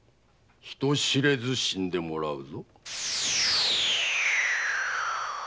人知れず死んでもらうぞ。